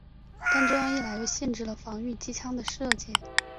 但这样一来又限制了防御机枪的射界。